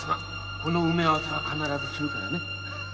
この埋め合わせは必ずするからね。